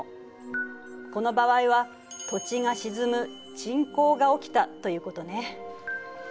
この場合は土地が沈む「沈降」が起きたということね。